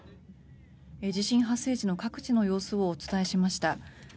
地震発生時の各地の様子をお伝えしました。